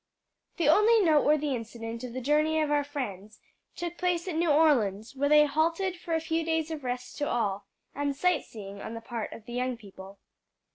_ The only noteworthy incident of the journey of our friends took place at New Orleans, where they halted for a few days of rest to all, and sight seeing on the part of the young people.